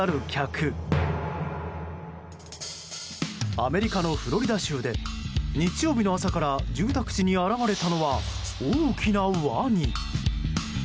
アメリカのフロリダ州で日曜日の朝から住宅地に現れたのは大きなワニ。